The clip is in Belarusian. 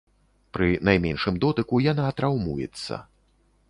Пры найменшым дотыку яна траўмуецца.